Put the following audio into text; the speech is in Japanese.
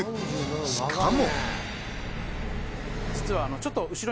しかも。